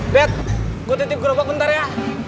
bet gue titip grobak bentar ya